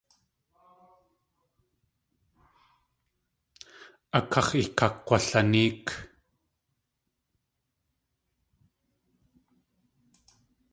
A káx̲ ikakk̲walnéek.